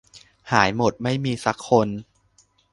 หายหมด ไม่มีซักคน